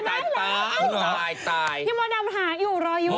ที่หมดน้ำหาอยู่รออยู่